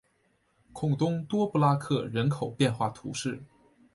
孔东多布拉克人口变化图示